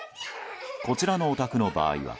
こちらのお宅の場合は。